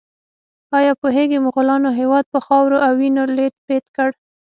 ایا پوهیږئ مغولانو هېواد په خاورو او وینو لیت پیت کړ؟